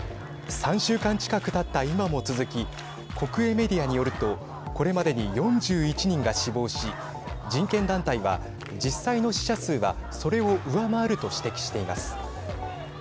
３週間近くたった今も続き国営メディアによるとこれまでに４１人が死亡し人権団体は実際の死者数はそれを上回ると指摘しています。